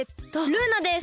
ルーナです。